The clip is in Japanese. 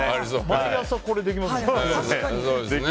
毎朝、これできますもんね。